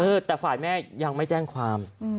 แต่ฝ่ายแม่ยังไม่แจ้งความ